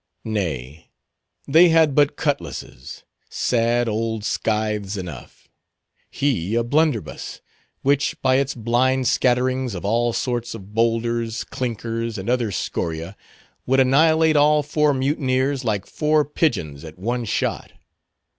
Nay, they had but cutlasses—sad old scythes enough—he a blunderbuss, which by its blind scatterings of all sorts of boulders, clinkers, and other scoria would annihilate all four mutineers, like four pigeons at one shot.